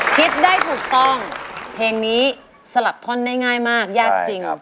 คิดได้ถูกต้องเพลงนี้สลับท่อนได้ง่ายมากยากจริง